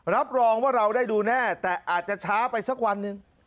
รับรองว่าเราได้ดูแน่แต่อาจจะช้าไปสักวันหนึ่ง